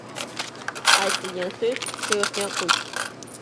• Aytilgan so‘z ― uchayotgan qush.